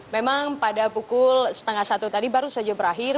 memang pada pukul setengah satu tadi baru saja berakhir